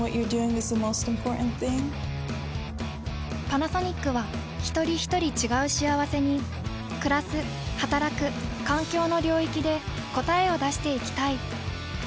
パナソニックはひとりひとり違う幸せにくらすはたらく環境の領域で答えを出していきたい。